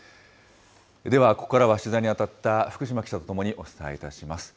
ではここからは、取材に当たった福島記者と共にお伝えいたします。